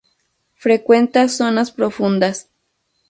Frecuenta zonas profundas.